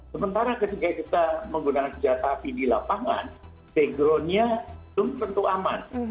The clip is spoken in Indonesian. sementara ketika kita menggunakan senjata api di lapangan backgroundnya belum tentu aman